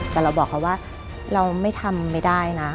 แต่เราบอกเขาว่าเราไม่ทำไม่ได้นะ